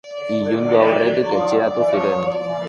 Ilundu aurretik etxeratu ziren.